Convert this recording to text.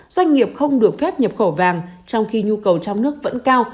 doanh nghiệp không được phép nhập khẩu vàng trong khi nhu cầu trong nước vẫn cao